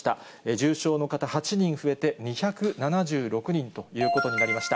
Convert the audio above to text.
重症の方８人増えて、２７６人ということになりました。